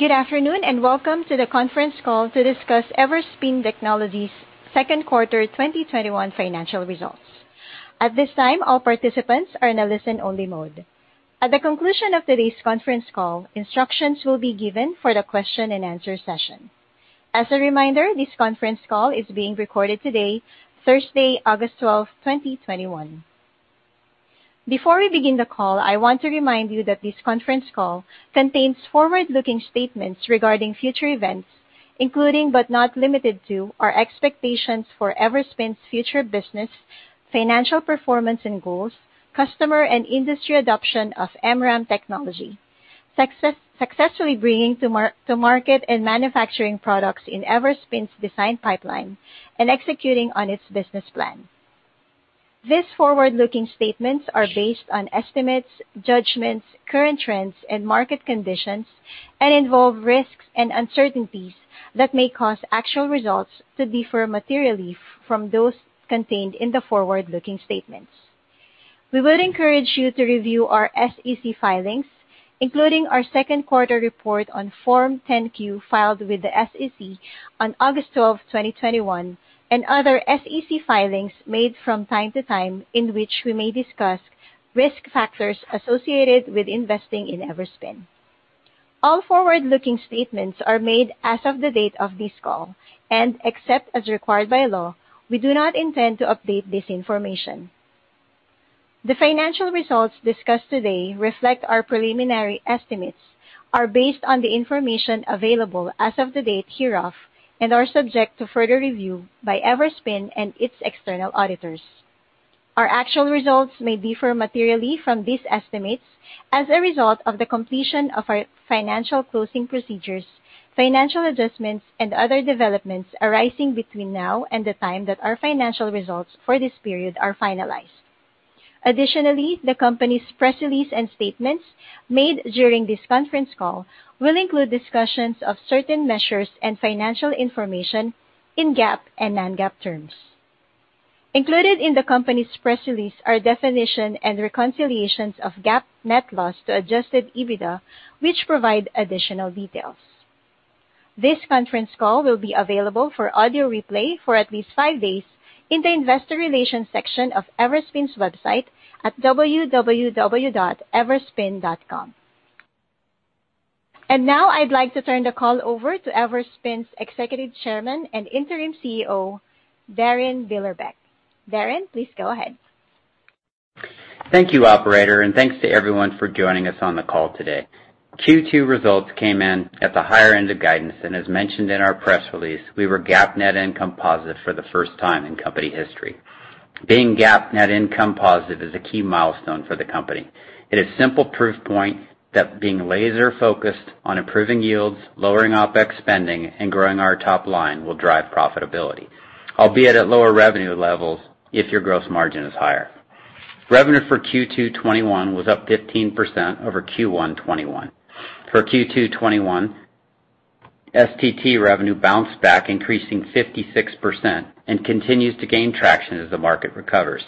Good afternoon, and welcome to the conference call to discuss Everspin Technologies' second quarter 2021 financial results. At this time, all participants are in a listen-only mode. At the conclusion of today's conference call, instructions will be given for the question-and-answer session. As a reminder, this conference call is being recorded today, Thursday, August 12, 2021. Before we begin the call, I want to remind you that this conference call contains forward-looking statements regarding future events, including, but not limited to, our expectations for Everspin's future business, financial performance and goals, customer and industry adoption of MRAM technology, successfully bringing to market and manufacturing products in Everspin's design pipeline, and executing on its business plan. These forward-looking statements are based on estimates, judgments, current trends, and market conditions, and involve risks and uncertainties that may cause actual results to differ materially from those contained in the forward-looking statements. We would encourage you to review our SEC filings, including our second quarter report on Form 10-Q filed with the SEC on August 12, 2021, and other SEC filings made from time to time in which we may discuss risk factors associated with investing in Everspin. All forward-looking statements are made as of the date of this call, and except as required by law, we do not intend to update this information. The financial results discussed today reflect our preliminary estimates, are based on the information available as of the date hereof, and are subject to further review by Everspin and its external auditors. Our actual results may differ materially from these estimates as a result of the completion of our financial closing procedures, financial adjustments, and other developments arising between now and the time that our financial results for this period are finalized. Additionally, the company's press release and statements made during this conference call will include discussions of certain measures and financial information in GAAP and non-GAAP terms. Included in the company's press release are definition and reconciliations of GAAP net loss to adjusted EBITDA, which provide additional details. This conference call will be available for audio replay for at least five days in the investor relations section of Everspin's website at www.everspin.com. Now I'd like to turn the call over to Everspin's Executive Chairman and Interim CEO, Darin Billerbeck. Darin, please go ahead. Thank you, operator, and thanks to everyone for joining us on the call today. Q2 results came in at the higher end of guidance, and as mentioned in our press release, we were GAAP net income positive for the first time in company history. Being GAAP net income positive is a key milestone for the company. It is simple proof point that being laser-focused on improving yields, lowering OpEx spending, and growing our top line will drive profitability, albeit at lower revenue levels if your gross margin is higher. Revenue for Q2 2021 was up 15% over Q1 2021. For Q2 2021, STT revenue bounced back, increasing 56%, and continues to gain traction as the market recovers.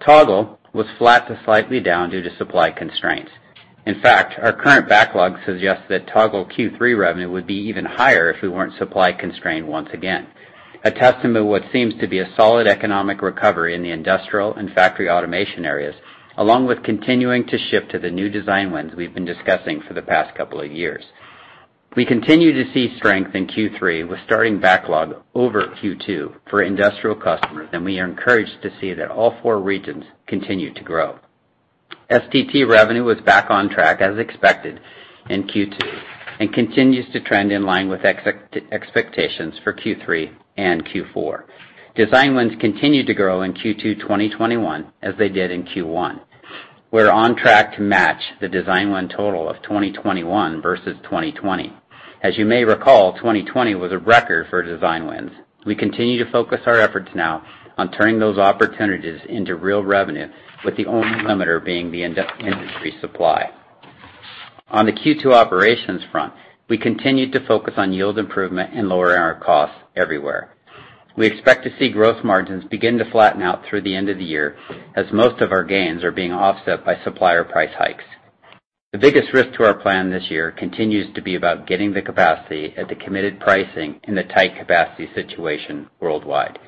Toggle was flat to slightly down due to supply constraints. In fact, our current backlog suggests that Toggle Q3 revenue would be even higher if we weren't supply constrained once again. A testament to what seems to be a solid economic recovery in the industrial and factory automation areas, along with continuing to ship to the new design wins we've been discussing for the past couple of years. We continue to see strength in Q3, with starting backlog over Q2 for industrial customers, and we are encouraged to see that all four regions continue to grow. STT revenue was back on track as expected in Q2, and continues to trend in line with expectations for Q3 and Q4. Design wins continued to grow in Q2 2021, as they did in Q1. We're on track to match the design win total of 2021 versus 2020. As you may recall, 2020 was a record for design wins. We continue to focus our efforts now on turning those opportunities into real revenue, with the only limiter being the industry supply. On the Q2 operations front, we continued to focus on yield improvement and lowering our costs everywhere. We expect to see gross margins begin to flatten out through the end of the year, as most of our gains are being offset by supplier price hikes. The biggest risk to our plan this year continues to be about getting the capacity at the committed pricing in the tight capacity situation worldwide.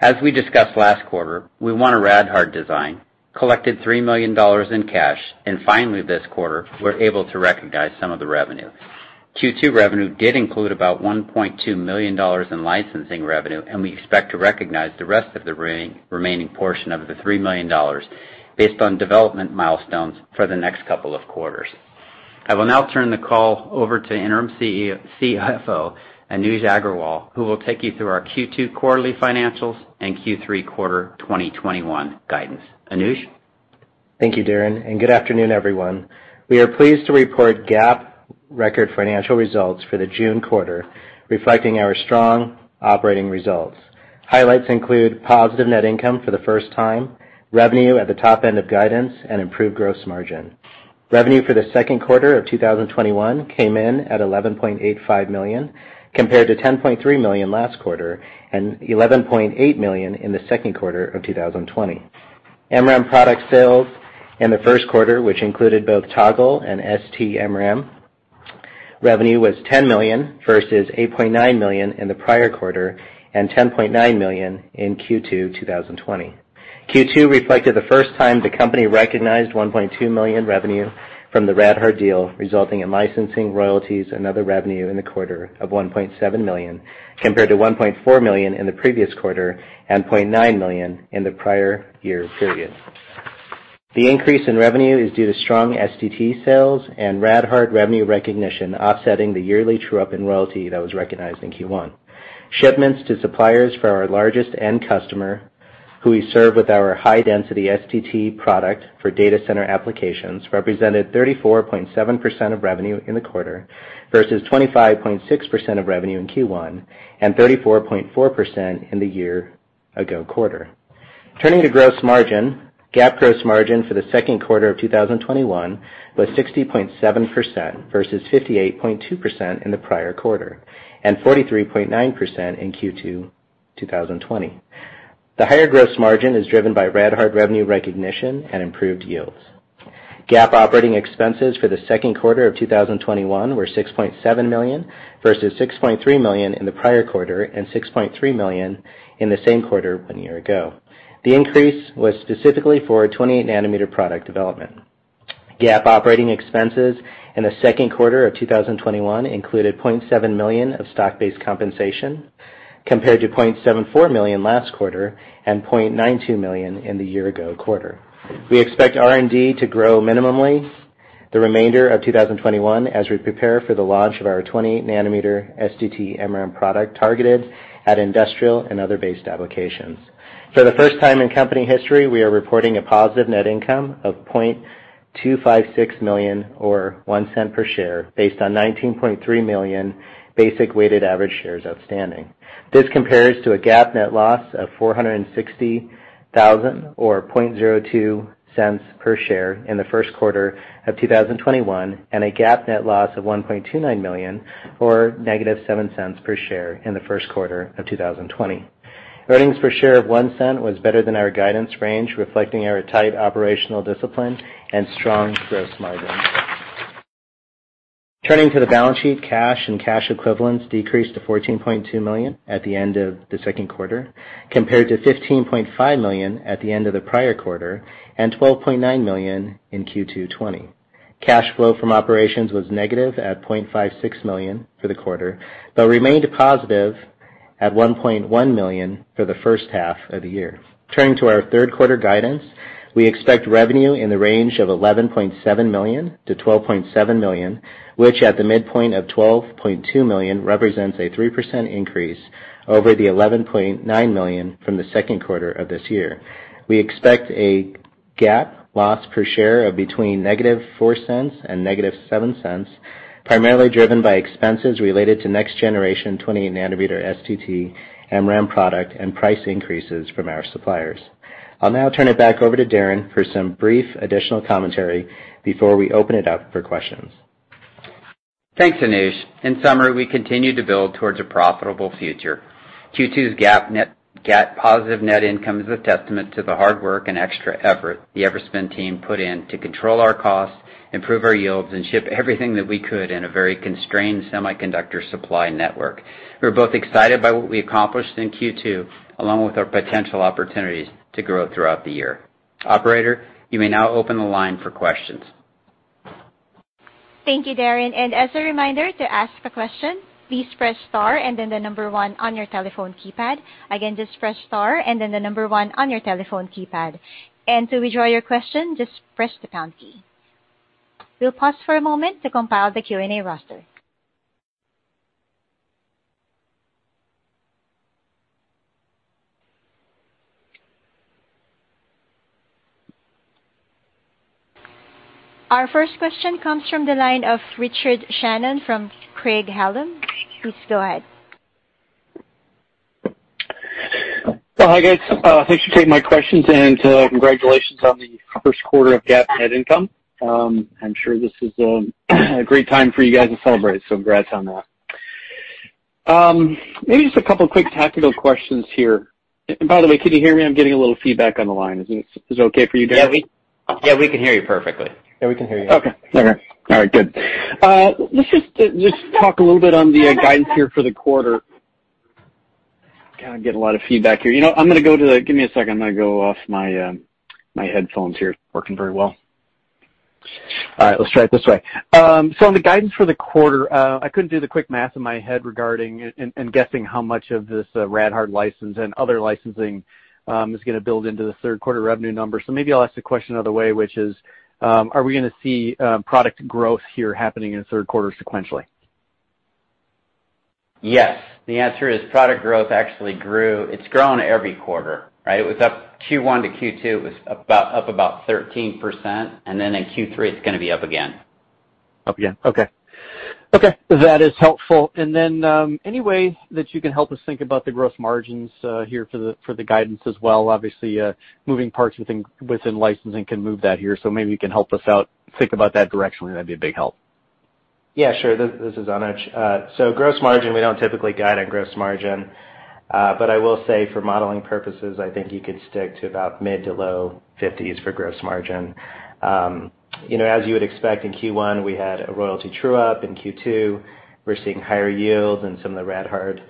As we discussed last quarter, we won a RAD Hard design, collected $3 million in cash, and finally this quarter, we're able to recognize some of the revenue. Q2 revenue did include about $1.2 million in licensing revenue, and we expect to recognize the rest of the remaining portion of the $3 million based on development milestones for the next couple of quarters. I will now turn the call over to Interim CFO, Anuj Aggarwal, who will take you through our Q2 quarterly financials and Q3 Quarter 2021 guidance. Anuj? Thank you, Darin, and good afternoon, everyone. We are pleased to report GAAP record financial results for the June quarter, reflecting our strong operating results. Highlights include positive net income for the first time, revenue at the top end of guidance, and improved gross margin. Revenue for the second quarter of 2021 came in at $11.85 million, compared to $10.3 million last quarter, and $11.8 million in the second quarter of 2020. MRAM product sales in the first quarter, which included both Toggle and STT-MRAM. Revenue was $10 million, versus $8.9 million in the prior quarter, and $10.9 million in Q2 2020. Q2 reflected the first time the company recognized $1.2 million revenue from the RAD Hard deal, resulting in licensing royalties and other revenue in the quarter of $1.7 million, compared to $1.4 million in the previous quarter and $0.9 million in the prior year period. The increase in revenue is due to strong STT sales and RAD Hard revenue recognition offsetting the yearly true-up in royalty that was recognized in Q1. Shipments to suppliers for our largest end customer, who we serve with our high-density STT product for data center applications, represented 34.7% of revenue in the quarter versus 25.6% of revenue in Q1, and 34.4% in the year-ago quarter. Turning to gross margin, GAAP gross margin for the second quarter of 2021 was 60.7%, versus 58.2% in the prior quarter, and 43.9% in Q2 2020. The higher gross margin is driven by RAD Hard revenue recognition and improved yields. GAAP operating expenses for the second quarter of 2021 were $6.7 million, versus $6.3 million in the prior quarter, and $6.3 million in the same quarter one year ago. The increase was specifically for 28 nm product development. GAAP operating expenses in the second quarter of 2021 included $0.7 million of stock-based compensation, compared to $0.74 million last quarter and $0.92 million in the year-ago quarter. We expect R&D to grow minimally the remainder of 2021 as we prepare for the launch of our 28 nm STT-MRAM product targeted at industrial and other based applications. For the first time in company history, we are reporting a positive net income of $0.256 million or $0.01 per share based on 19.3 million basic weighted average shares outstanding. This compares to a GAAP net loss of $460,000, or $0.02 per share in the first quarter of 2021, and a GAAP net loss of $1.29 million or -$0.07 per share in the first quarter of 2020. Earnings per share of $0.01 was better than our guidance range, reflecting our tight operational discipline and strong gross margin. Turning to the balance sheet, cash and cash equivalents decreased to $14.2 million at the end of the second quarter, compared to $15.5 million at the end of the prior quarter and $12.9 million in Q2 2020. Cash flow from operations was negative at $0.56 million for the quarter, but remained positive at $1.1 million for the first half of the year. Turning to our third quarter guidance, we expect revenue in the range of $11.7 million-$12.7 million, which at the midpoint of $12.2 million represents a 3% increase over the $11.9 million from the second quarter of this year. We expect a GAAP loss per share of between -$0.04 and -$0.07, primarily driven by expenses related to next-generation 20 nm STT-MRAM product and price increases from our suppliers. I'll now turn it back over to Darin for some brief additional commentary before we open it up for questions. Thanks, Anuj. In summary, we continue to build towards a profitable future. Q2's GAAP positive net income is a testament to the hard work and extra effort the Everspin team put in to control our costs, improve our yields, and ship everything that we could in a very constrained semiconductor supply network. We're both excited by what we accomplished in Q2, along with our potential opportunities to grow throughout the year. Operator, you may now open the line for questions. Thank you, Darin. As a reminder, to ask a question, please press star and then the number one on your telephone keypad. Again, just press star and then the number one on your telephone keypad. To withdraw your question, just press the pound key. We'll pause for a moment to compile the Q&A roster. Our first question comes from the line of Richard Shannon from Craig-Hallum. Please go ahead. Well, hi, guys. Thanks for taking my questions, and congratulations on the first quarter of GAAP net income. I'm sure this is a great time for you guys to celebrate, so congrats on that. Maybe just two quick tactical questions here. By the way, can you hear me? I'm getting a little feedback on the line. Is it okay for you, Darin? Yeah, we can hear you perfectly. Yeah, we can hear you. Okay. All right, good. Let's just talk a little bit on the guidance here for the quarter. God, I get a lot of feedback here. Give me a second. I'm going to go off my headphones here. It's working very well. All right, let's try it this way. On the guidance for the quarter, I couldn't do the quick math in my head regarding and guessing how much of this RAD Hard license and other licensing is going to build into the third quarter revenue number. Maybe I'll ask the question another way, which is, are we going to see product growth here happening in the third quarter sequentially? Yes. The answer is product growth actually grew. It's grown every quarter, right? It was up Q1 to Q2. It was up about 13%, and then in Q3, it's going to be up again. Up again, okay. That is helpful. Any way that you can help us think about the gross margins here for the guidance as well? Obviously, moving parts within licensing can move that here, so maybe you can help us out think about that directionally, that'd be a big help. Yeah, sure. This is Anuj. Gross margin, we don't typically guide on gross margin. I will say for modeling purposes, I think you could stick to about mid to low 50% for gross margin. As you would expect, in Q1, we had a royalty true-up. In Q2, we're seeing higher yields and some of the RAD Hard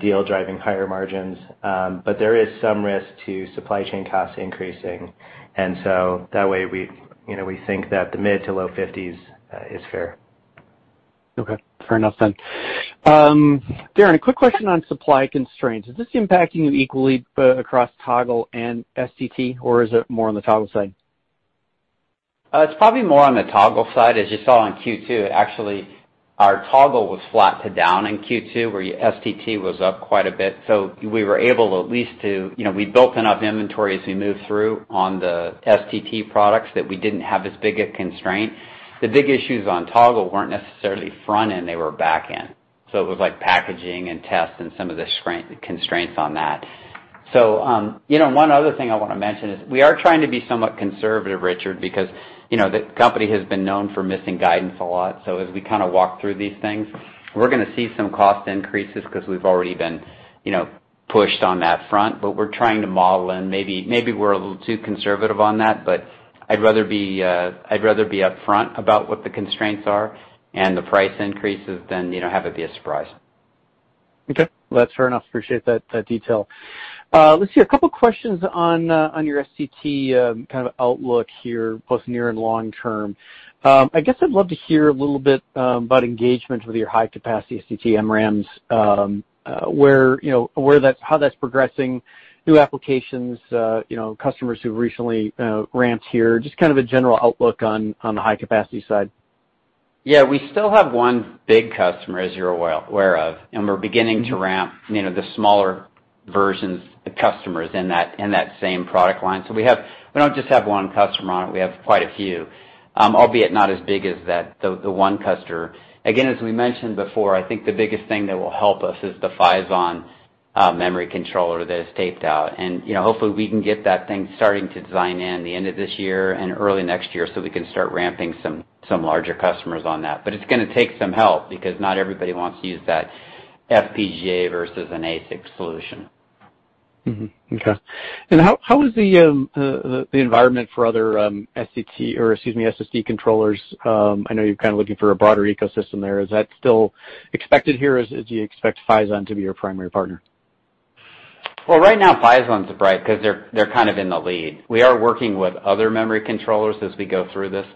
deal driving higher margins. There is some risk to supply chain costs increasing. That way we think that the mid to low 50% is fair. Fair enough. Darin, a quick question on supply constraints. Is this impacting you equally both across Toggle and STT, or is it more on the Toggle side? It's probably more on the Toggle side. As you saw in Q2, actually, our Toggle was flat to down in Q2, where your STT was up quite a bit. We built enough inventory as we moved through on the STT products that we didn't have as big a constraint. The big issues on Toggle weren't necessarily front-end, they were back end. It was like packaging and tests and some of the constraints on that. One other thing I want to mention is we are trying to be somewhat conservative, Richard, because the company has been known for missing guidance a lot. As we kind of walk through these things, we're going to see some cost increases because we've already been pushed on that front. We're trying to model, and maybe we're a little too conservative on that, but I'd rather be upfront about what the constraints are and the price increases than have it be a surprise. Okay. Well, that's fair enough. Appreciate that detail. Let's see, a couple questions on your STT kind of outlook here, both near and long term. I guess I'd love to hear a little bit about engagement with your high-capacity STT-MRAMs, how that's progressing, new applications, customers who've recently ramped here, just kind of a general outlook on the high-capacity side. Yeah, we still have one big customer, as you're aware of, and we're beginning to ramp the smaller versions, the customers in that same product line. We don't just have one customer on it, we have quite a few, albeit not as big as the one customer. Again, as we mentioned before, I think the biggest thing that will help us is the Phison memory controller that is taped out. Hopefully we can get that thing starting to design in the end of this year and early next year so we can start ramping some larger customers on that. It's going to take some help because not everybody wants to use that FPGA versus an ASIC solution. Mm-hmm. Okay. How is the environment for other SSD controllers? I know you're kind of looking for a broader ecosystem there. Is that still expected here, or do you expect Phison to be your primary partner? Well, right now, Phison's bright because they're kind of in the lead. We are working with other memory controllers as we go through this.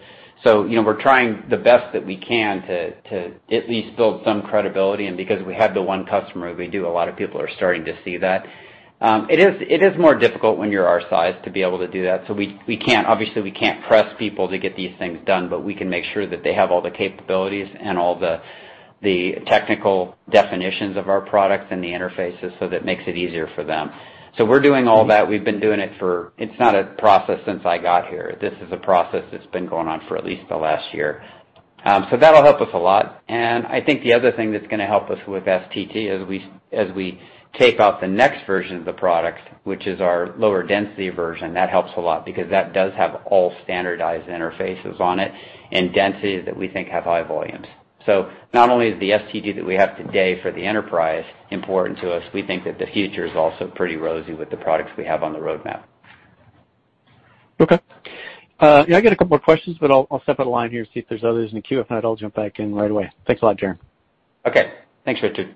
We're trying the best that we can to at least build some credibility. Because we have the one customer, we do, a lot of people are starting to see that. It is more difficult when you're our size to be able to do that. Obviously we can't press people to get these things done, but we can make sure that they have all the capabilities and all the technical definitions of our products and the interfaces so that makes it easier for them. We're doing all that. It's not a process since I got here. This is a process that's been going on for at least the last year. That'll help us a lot, and I think the other thing that's going to help us with STT as we tape out the next version of the product, which is our lower density version, that helps a lot because that does have all standardized interfaces on it and densities that we think have high volumes. Not only is the STT that we have today for the enterprise important to us, we think that the future is also pretty rosy with the products we have on the roadmap. Okay. Yeah, I got a couple of questions, but I'll step out of line here, see if there's others in the queue. If not, I'll jump back in right away. Thanks a lot, Darin. Okay. Thanks, Richard.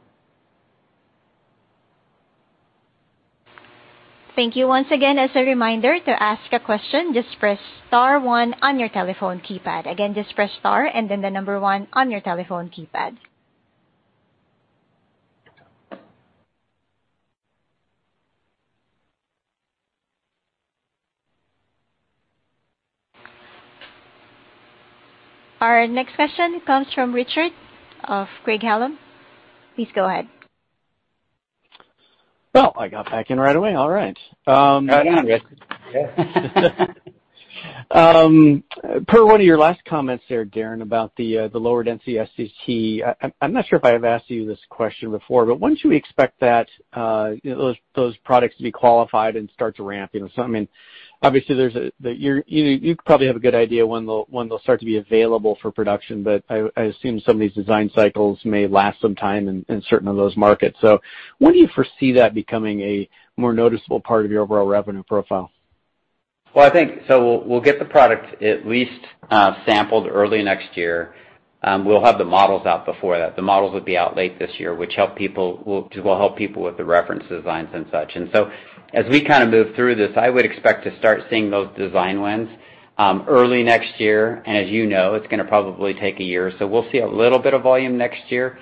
Thank you once again. As a reminder, to ask a question, just press star one on your telephone keypad. Again, just press star and then the number one on your telephone keypad. Our next question comes from Richard of Craig-Hallum. Please go ahead. Well, I got back in right away, all right. Right on, Richard. Yeah. Per one of your last comments there, Darin, about the lower density STT, I am not sure if I have asked you this question before, but when should we expect those products to be qualified and start to ramp? Obviously, you probably have a good idea when they will start to be available for production, but I assume some of these design cycles may last some time in certain of those markets. When do you foresee that becoming a more noticeable part of your overall revenue profile? We'll get the product at least sampled early next year. We'll have the models out before that. The models would be out late this year, which will help people with the reference designs and such. As we kind of move through this, I would expect to start seeing those design wins early next year, and as you know, it's going to probably take a year. We'll see a little bit of volume next year,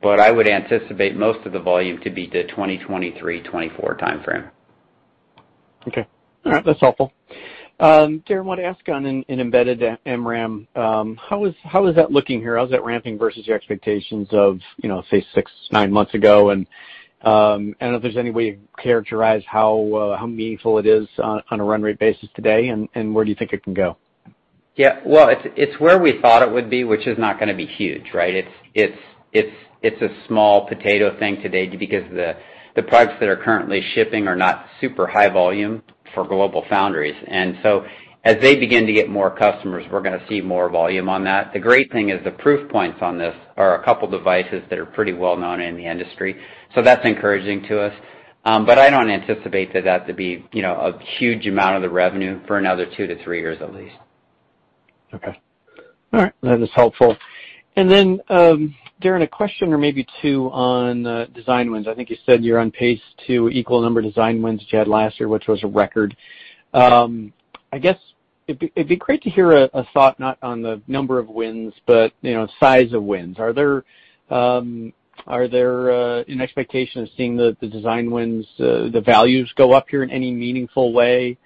but I would anticipate most of the volume to be the 2023-2024 timeframe. Okay. All right. That's helpful. Darin, want to ask on an embedded MRAM, how is that looking here? How is that ramping versus your expectations of, say, six, nine months ago? If there's any way you characterize how meaningful it is on a run rate basis today, and where do you think it can go? Yeah. Well, it's where we thought it would be, which is not going to be huge, right? It's a small potato thing today because the products that are currently shipping are not super high volume. For GlobalFoundries. As they begin to get more customers, we're going to see more volume on that. The great thing is the proof points on this are a couple devices that are pretty well-known in the industry. That's encouraging to us. I don't anticipate that to be a huge amount of the revenue for another 2-3 years at least. Okay. All right. That is helpful. Then, Darin, a question or maybe two on design wins. I think you said you're on pace to equal number of design wins that you had last year, which was a record. I guess, it'd be great to hear a thought not on the number of wins, but size of wins. Are there an expectation of seeing the design wins, the values go up here in any meaningful way?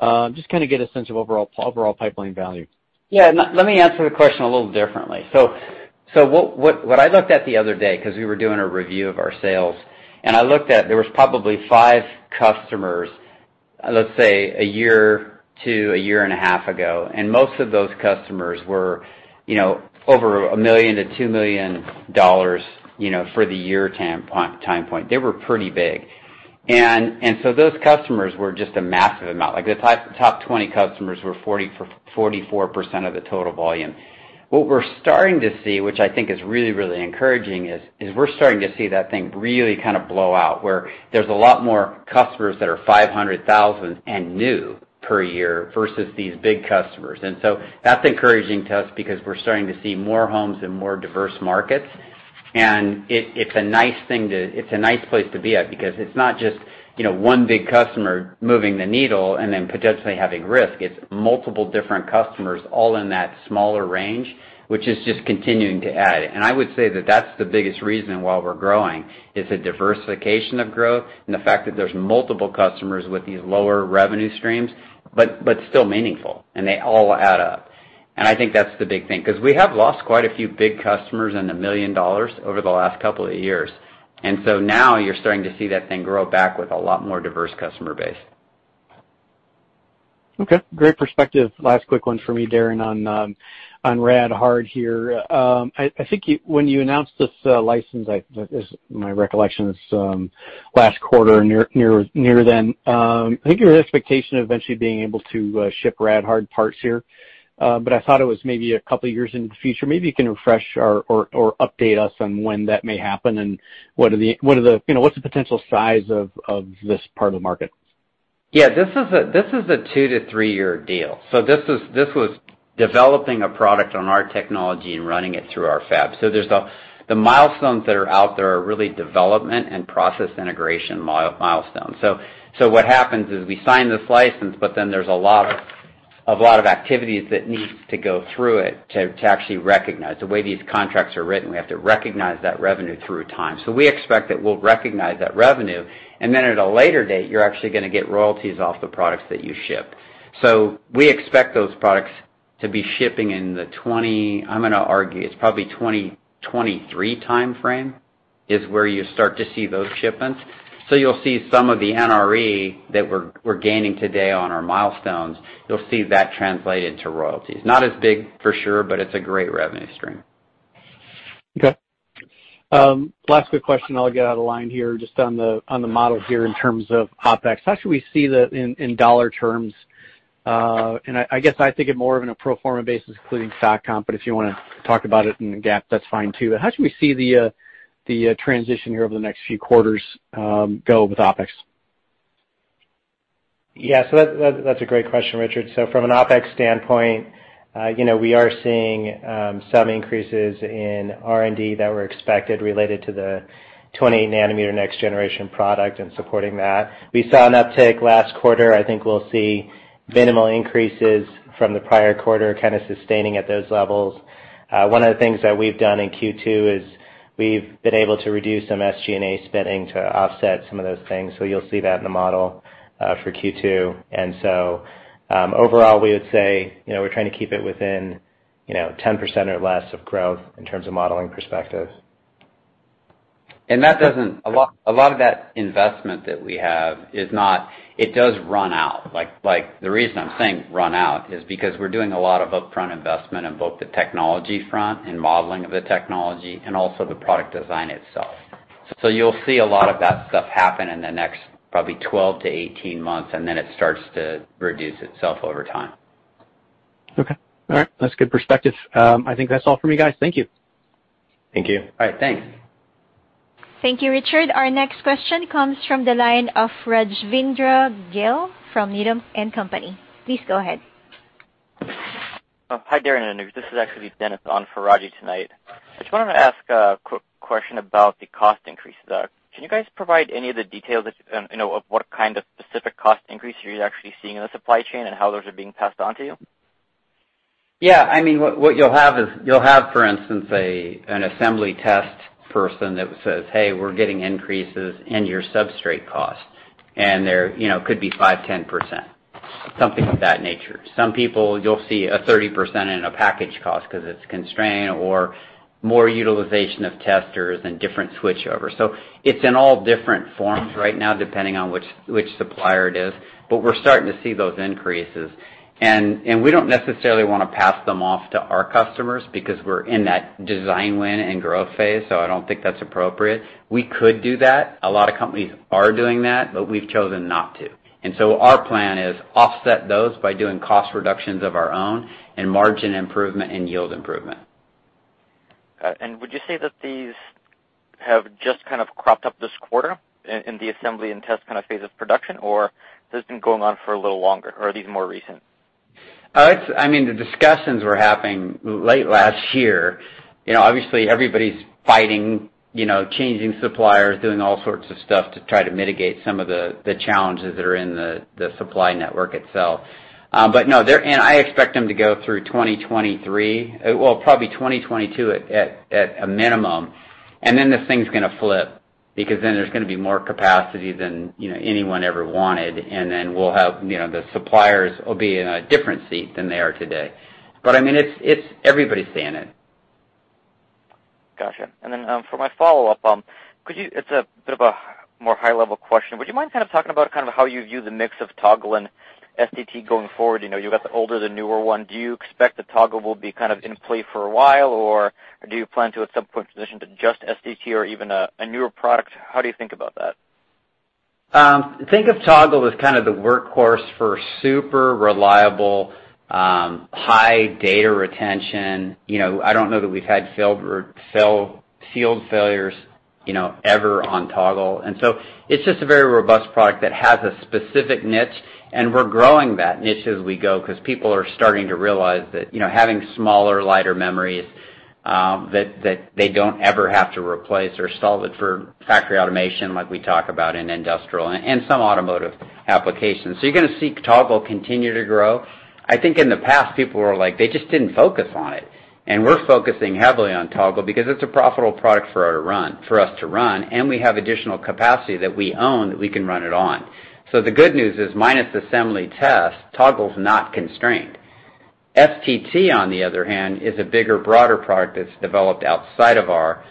Just to get a sense of overall pipeline value. Yeah. Let me answer the question a little differently. What I looked at the other day, because we were doing a review of our sales, and I looked at, there was probably five customers, let's say a year to a year and a half ago, and most of those customers were over $1 million-$2 million for the year time point. They were pretty big. Those customers were just a massive amount. Like the top 20 customers were 44% of the total volume. What we're starting to see, which I think is really encouraging, is we're starting to see that thing really kind of blow out, where there's a lot more customers that are $500,000 and new per year versus these big customers. That's encouraging to us because we're starting to see more homes in more diverse markets. It's a nice place to be at because it's not just one big customer moving the needle and then potentially having risk. It's multiple different customers all in that smaller range, which is just continuing to add. I would say that that's the biggest reason why we're growing, is the diversification of growth and the fact that there's multiple customers with these lower revenue streams, but still meaningful, and they all add up. I think that's the big thing, because we have lost quite a few big customers in the $1 million over the last couple of years. Now you're starting to see that thing grow back with a lot more diverse customer base. Okay. Great perspective. Last quick one for me, Darin, on RAD Hard here. I think when you announced this license, my recollection is last quarter, near then, I think your expectation of eventually being able to ship RAD Hard parts here. I thought it was maybe two years into the future. Maybe you can refresh or update us on when that may happen, and what's the potential size of this part of the market? Yeah. This is a two to three-year deal. This was developing a product on our technology and running it through our fab. The milestones that are out there are really development and process integration milestones. What happens is we sign this license, but then there's a lot of activities that needs to go through it to actually recognize. The way these contracts are written, we have to recognize that revenue through time. We expect that we'll recognize that revenue, and then at a later date, you're actually going to get royalties off the products that you ship. We expect those products to be shipping in the, I'm going to argue, it's probably 2023 timeframe, is where you start to see those shipments. You'll see some of the NRE that we're gaining today on our milestones, you'll see that translated to royalties. Not as big for sure, but it's a great revenue stream. Okay. Last quick question I'll get out of line here, just on the model here in terms of OpEx. I guess I think it more of in a pro forma basis, including stock comp, but if you want to talk about it in GAAP, that's fine too. How should we see the transition here over the next few quarters go with OpEx? Yeah. That's a great question, Richard. From an OpEx standpoint, we are seeing some increases in R&D that were expected related to the 20 nm next-generation product and supporting that. We saw an uptick last quarter. I think we'll see minimal increases from the prior quarter kind of sustaining at those levels. One of the things that we've done in Q2 is we've been able to reduce some SG&A spending to offset some of those things. You'll see that in the model for Q2. Overall, we would say we're trying to keep it within 10% or less of growth in terms of modeling perspective. A lot of that investment that we have, it does run out. Like, the reason I'm saying run out is because we're doing a lot of upfront investment in both the technology front and modeling of the technology, and also the product design itself. You'll see a lot of that stuff happen in the next probably 12 to 18 months, and then it starts to reduce itself over time. Okay. All right. That's good perspective. I think that's all for me, guys. Thank you. Thank you. All right. Thanks. Thank you, Richard. Our next question comes from the line of Rajvindra Gill from Needham & Company. Please go ahead. Hi, Darin and Anuj. This is actually Dennis on for Raji tonight. I just wanted to ask a quick question about the cost increases. Can you guys provide any of the details of what kind of specific cost increase you're actually seeing in the supply chain, and how those are being passed on to you? Yeah. I mean, what you'll have, for instance, an assembly test person that says, "Hey, we're getting increases in your substrate cost." There could be 5%-10%, something of that nature. Some people, you'll see a 30% in a package cost because it's constrained or more utilization of testers and different switchover. It's in all different forms right now, depending on which supplier it is. We're starting to see those increases. We don't necessarily want to pass them off to our customers because we're in that design win and growth phase, so I don't think that's appropriate. We could do that. A lot of companies are doing that, but we've chosen not to. Our plan is offset those by doing cost reductions of our own and margin improvement and yield improvement. Got it. Would you say that these have just kind of cropped up this quarter in the assembly and test phase of production, or has this been going on for a little longer, or are these more recent? The discussions were happening late last year. Obviously, everybody's fighting, changing suppliers, doing all sorts of stuff to try to mitigate some of the challenges that are in the supply network itself. No, and I expect them to go through 2023, well, probably 2022 at a minimum, and then this thing's going to flip because then there's going to be more capacity than anyone ever wanted, and then the suppliers will be in a different seat than they are today. Everybody's seeing it. Got you. For my follow-up, it's a bit of a more high-level question. Would you mind kind of talking about how you view the mix of Toggle and STT going forward? You got the older, the newer one. Do you expect that Toggle will be kind of in play for a while, or do you plan to, at some point, transition to just STT or even a newer product? How do you think about that? Think of Toggle as kind of the workhorse for super reliable, high data retention. I don't know that we've had field failures ever on Toggle, and so it's just a very robust product that has a specific niche, and we're growing that niche as we go because people are starting to realize that having smaller, lighter memories that they don't ever have to replace or solve it for factory automation like we talk about in industrial and some automotive applications. You're going to see Toggle continue to grow. I think in the past, people were like, they just didn't focus on it, and we're focusing heavily on Toggle because it's a profitable product for us to run, and we have additional capacity that we own that we can run it on. The good news is, minus assembly test, Toggle's not constrained. STT, on the other hand, is a bigger, broader product that's developed outside of our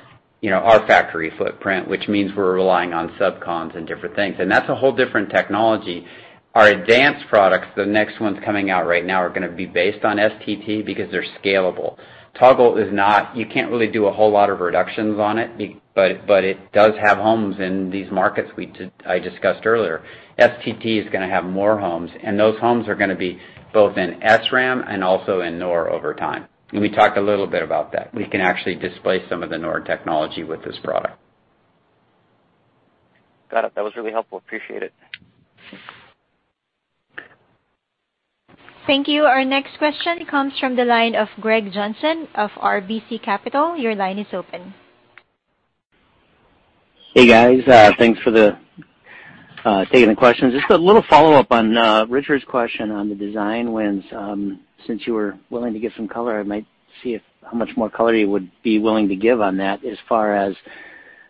factory footprint, which means we're relying on subcons and different things, and that's a whole different technology. Our advanced products, the next ones coming out right now, are going to be based on STT because they're scalable. Toggle is not. You can't really do a whole lot of reductions on it, but it does have homes in these markets I discussed earlier. STT is going to have more homes, and those homes are going to be both in SRAM and also in NOR over time. We talked a little bit about that. We can actually displace some of the NOR technology with this product. Got it. That was really helpful. Appreciate it. Thank you. Our next question comes from the line of Greg Johnson of RBC Capital. Your line is open. Hey, guys. Thanks for taking the questions. Just a little follow-up on Richard's question on the design wins. Since you were willing to give some color, I might see how much more color you would be willing to give on that as far as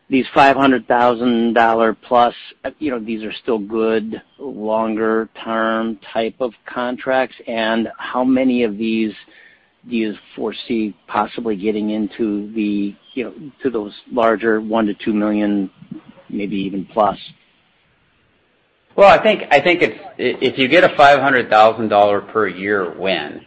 these $500,000+, these are still good longer-term type of contracts, and how many of these do you foresee possibly getting into those larger $1 million-$2 million, maybe even plus? Well, I think if you get a $500,000 per year win,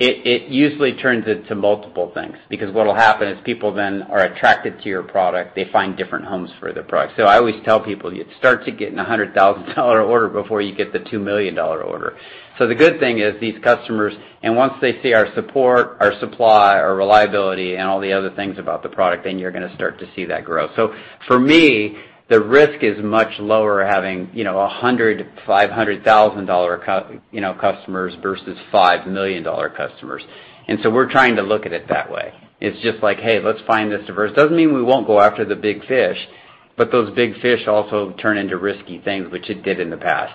it usually turns into multiple things because what'll happen is people then are attracted to your product. They find different homes for the product. I always tell people, you start to get in the $100,000 order before you get the $2 million order. The good thing is these customers, and once they see our support, our supply, our reliability, and all the other things about the product, then you're going to start to see that growth. For me, the risk is much lower having, $100,000, $500,000 customers versus $5 million customers. We're trying to look at it that way. It's just like, hey, let's find this diverse. It doesn't mean we won't go after the big fish, but those big fish also turn into risky things, which it did in the past.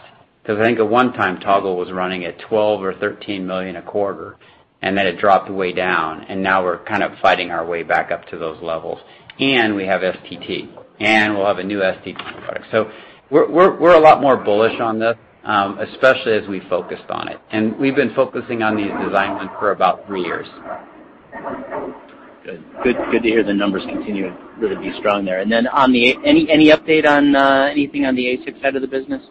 I think at one time, Toggle was running at $12 million or $13 million a quarter, then it dropped way down, now we're kind of fighting our way back up to those levels. We have STT, we'll have a new STT product. We're a lot more bullish on this, especially as we focused on it. We've been focusing on these designs for about three years. Good to hear the numbers continue to really be strong there. Any update on anything on the ASIC side of the business?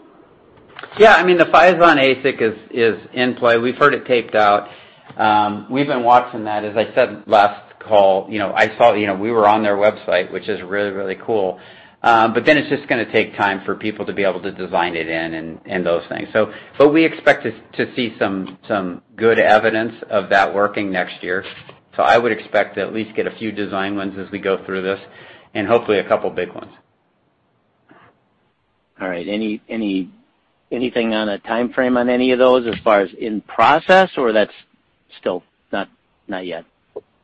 The Phison ASIC is in play. We've heard it taped out. We've been watching that. As I said last call, we were on their website, which is really, really cool. It's just going to take time for people to be able to design it in and those things. We expect to see some good evidence of that working next year. I would expect to at least get a few design wins as we go through this, and hopefully a couple big ones. All right. Anything on a timeframe on any of those as far as in process, or that's still not yet?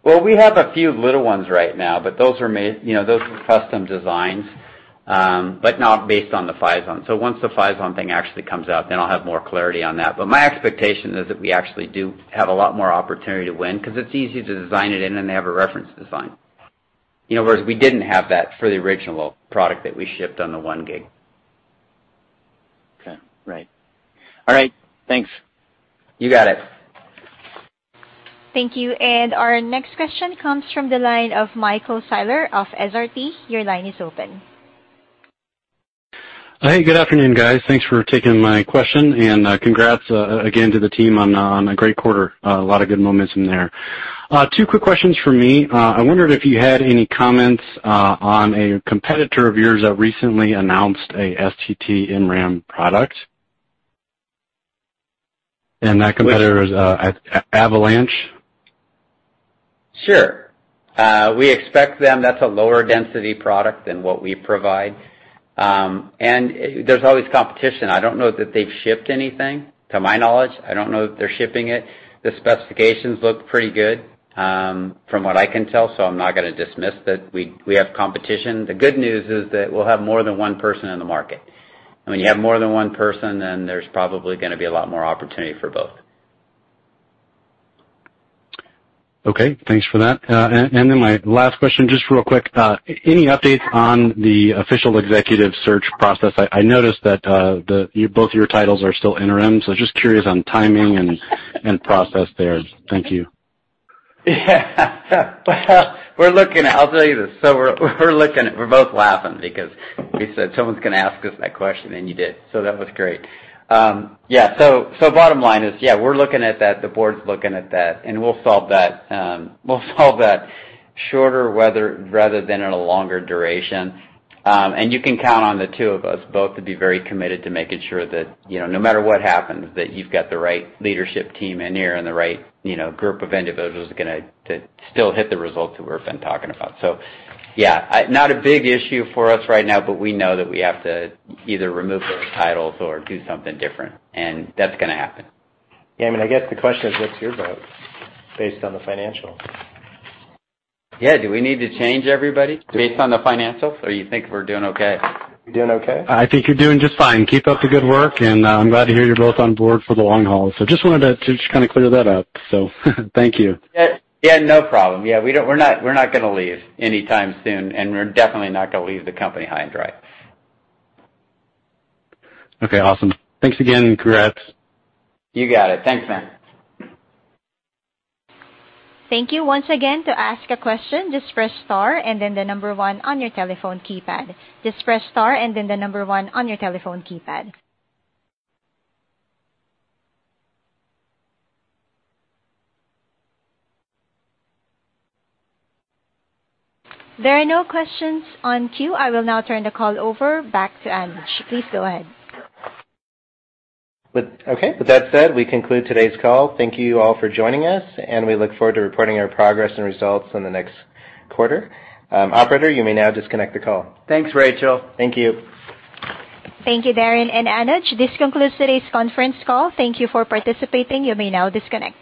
We have a few little ones right now, but those are custom designs but not based on the Phison. Once the Phison thing actually comes out, then I'll have more clarity on that. My expectation is that we actually do have a lot more opportunity to win because it's easy to design it in when they have a reference design. Whereas we didn't have that for the original product that we shipped on the 1 Gb. Right. All right, thanks. You got it. Thank you. Our next question comes from the line of Michael Seiler of SRT. Your line is open. Hey, good afternoon, guys. Thanks for taking my question and congrats again to the team on a great quarter. A lot of good moments in there. Two quick questions from me. I wondered if you had any comments on a competitor of yours that recently announced a STT-MRAM product. That competitor is Avalanche. Sure. We expect them. That's a lower-density product than what we provide. There's always competition. I don't know that they've shipped anything, to my knowledge. I don't know that they're shipping it. The specifications look pretty good, from what I can tell, so I'm not going to dismiss that we have competition. The good news is that we'll have more than one person in the market. When you have more than one person, then there's probably going to be a lot more opportunity for both. Okay. Thanks for that. My last question, just real quick, any updates on the official executive search process? I noticed that both your titles are still interim, so just curious on timing and process there. Thank you We're looking. I'll tell you this. We're looking. We're both laughing because we said someone's going to ask us that question, and you did. That was great. Yeah. Bottom line is, yeah, we're looking at that. The board's looking at that, and we'll solve that shorter rather than in a longer duration. You can count on the two of us both to be very committed to making sure that, no matter what happens, that you've got the right leadership team in here and the right group of individuals that are going to still hit the results that we've been talking about. Yeah, not a big issue for us right now, but we know that we have to either remove those titles or do something different, and that's going to happen. Yeah, I guess the question is, what's your vote based on the financials? Yeah. Do we need to change everybody based on the financials, or you think we're doing okay? We doing okay? I think you're doing just fine. Keep up the good work, and I'm glad to hear you're both on board for the long haul. Just wanted to just kind of clear that up. Thank you. Yeah, no problem. Yeah, we're not going to leave anytime soon, and we're definitely not going to leave the company high and dry. Okay, awesome. Thanks again, and congrats. You got it. Thanks, man. Thank you once again. I will now turn the call over back to Anuj. Please go ahead. Okay. With that said, we conclude today's call. Thank you all for joining us, and we look forward to reporting our progress and results in the next quarter. Operator, you may now disconnect the call. Thanks, Rachel. Thank you. Thank you, Darin and Anuj. This concludes today's conference call. Thank you for participating. You may now disconnect.